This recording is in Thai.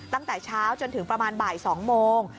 ตั้งแต่เช้าจนถึงประมาณบ่าย๒โมง